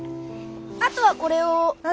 あとはこれを。